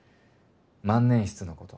万年筆のこと。